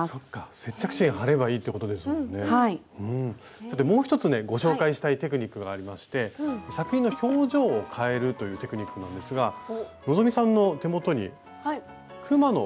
そしてもう一つねご紹介したいテクニックがありまして作品の表情を変えるというテクニックなんですが希さんの手元にくまのブローチがありますよね。